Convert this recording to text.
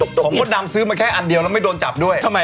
ของมดดำซื้อมาแค่อันเดียวแล้วไม่โดนจับด้วย